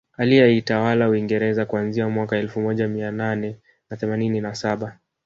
Aliyeitawala Uingereza kuanzia mwaka elfu moja Mia nane na themanini na saba